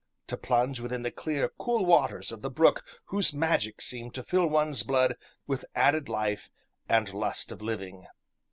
To plunge within the clear, cool waters of the brook whose magic seemed to fill one's blood with added life and lust of living.